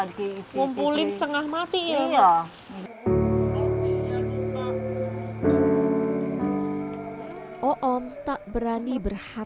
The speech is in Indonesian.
ngumpulin setengah mati ya